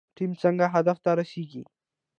ټیم څنګه هدف ته رسیږي؟